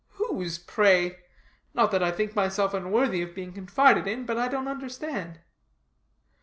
"Whose, pray? Not that I think myself unworthy of being confided in, but I don't understand."